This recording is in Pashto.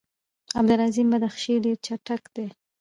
عبدالعظیم بدخشي ډېر چټک دی.